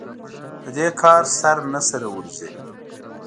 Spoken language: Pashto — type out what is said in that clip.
د دې کار سر نه سره ورځي.